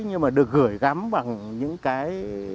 nhưng mà được gửi gắm bằng những cái